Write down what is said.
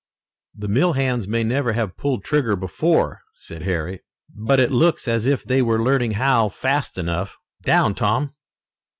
"The mill hands may never have pulled trigger before," said Harry, "but it looks as if they were learning how fast enough. Down, Tom!"